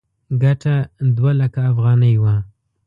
ګټه دوه لکه افغانۍ وه.